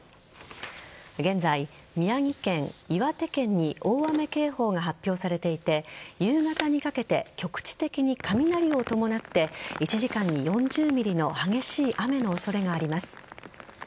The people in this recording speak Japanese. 現在、宮城県、岩手県に大雨警報が発表されていて夕方にかけて局地的に雷を伴って１時間に４０ｍｍの激しい雨の恐れがあります。